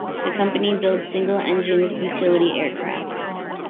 The company builds single-engined utility aircraft.